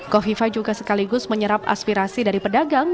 kofifa juga sekaligus menyerap aspirasi dari pedagang